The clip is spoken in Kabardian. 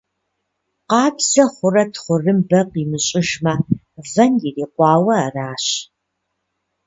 Къабзэ хъурэ тхъурымбэ къимыщӀыжмэ, вэн ирикъуауэ аращ.